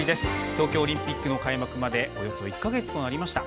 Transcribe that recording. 東京オリンピックの開幕までおよそ１か月となりました。